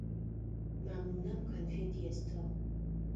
Мамунэм конфет естыгъ.